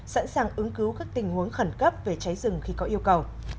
sẵn sàng ứng cứu các tình huống khẩn cấp về cháy rừng khi có yêu cầu